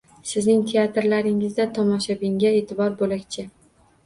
Sizning teatrlaringizda tomoshabinga e’tibor bo‘lakcha.